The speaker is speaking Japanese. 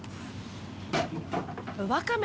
ワカメ？